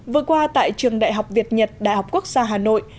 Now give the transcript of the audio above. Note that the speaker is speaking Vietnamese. vừa qua tại trường đại học việt nhật đại học quốc gia hà nội